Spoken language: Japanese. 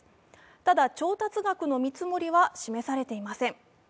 ただ、調達額の見積もりは示されていません。